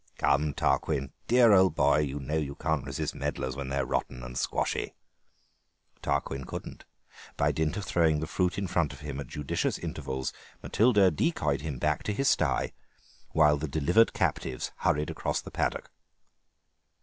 "Come, Tarquin, dear old boy; you know you can't resist medlars when they're rotten and squashy." Tarquin couldn't. By dint of throwing the fruit in front of him at judicious intervals Matilda decoyed him back to his stye, while the delivered captives hurried across the paddock.